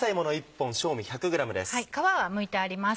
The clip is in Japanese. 皮はむいてあります。